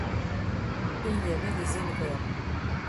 Il y avait des éleveurs.